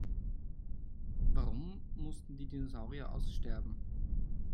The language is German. Warum mussten die Dinosaurier aussterben?